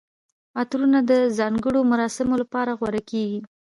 عطرونه د ځانګړي مراسمو لپاره غوره کیږي.